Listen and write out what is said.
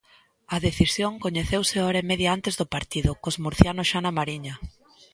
A decisión coñeceuse hora e media antes do partido, cos murcianos xa na Mariña.